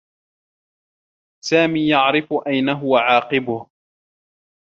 سامي يعرف أين هو عاقبه.